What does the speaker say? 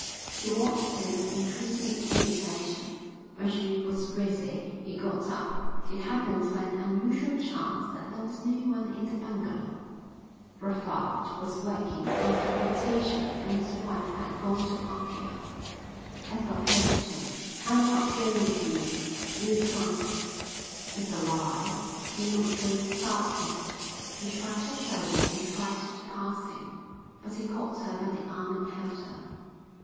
She watched him with increasing irritation: When she was ready he got up. It happened by an unusual chance that there was no one in the bungalow. Brevald was working on the plantation and his wife had gone into Apia. Ethel faced him. "I'm not going with you. You're drunk." "That's a lie. You're not going without me." She shrugged her shoulders and tried to pass him, but he caught her by the arm and held her.